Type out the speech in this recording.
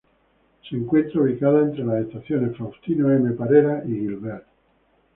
Se encuentra ubicada entre las estaciones Faustino M. Parera y Gilbert.